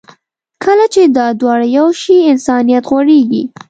کله چې دا دواړه یو شي، انسانیت غوړېږي.